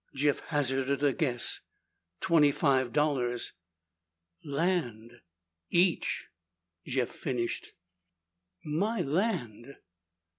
Jeff hazarded a guess, "Twenty five dollars." "Land!" "Each," Jeff finished. "My land!"